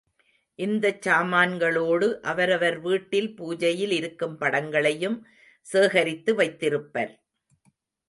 இந்தச் சாமான்களோடு அவரவர் வீட்டில் பூஜையில் இருக்கும் படங்களையும் சேகரித்து வைத் திருப்பர்.